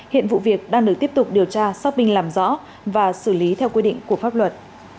hiện vụ việc đang được tiếp tục điều tra xác minh làm rõ và xử lý theo quy định của pháp luật